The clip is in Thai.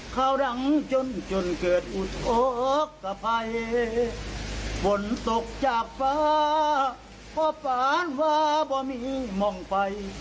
ข้าวดังจนจนเกิดอุดอกกระไภบนตกจากฟ้าพ่อปานว่าบ่มีมองไป